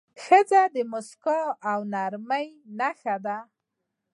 ښځه د موسکا او نرمۍ نښه ده.